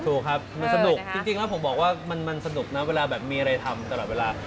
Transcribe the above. ถูกครับมันสนุกจริงแล้วผมบอกว่ามันสนุกนะเวลาแบบมีอะไรทำตลอดเวลา